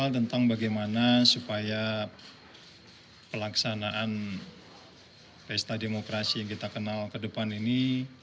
tentang bagaimana supaya pelaksanaan pesta demokrasi yang kita kenal ke depan ini